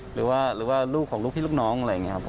หรือว่าลูกของลูกพี่ลูกน้องอะไรอย่างนี้ครับ